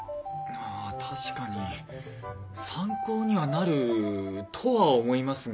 ああ確かに参考にはなるとは思いますが。